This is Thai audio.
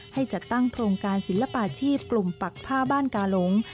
ให้จัดตั้งโครงการศิลปาชีพกลุ่มปักผ้าบ้านกาหลง